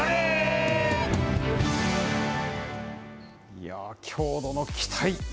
いやー、郷土の期待。